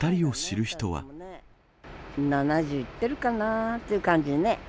７０いってるかなっていう感じね。